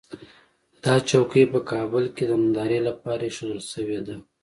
دا چوکۍ په کابل کې د نندارې لپاره اېښودل شوې ده.